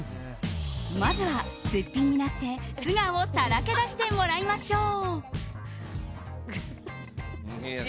まずは、すっぴんになって素顔をさらけ出してもらいましょう。